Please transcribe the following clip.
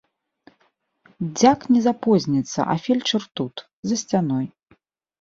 Дзяк не запозніцца, а фельчар тут, за сцяной.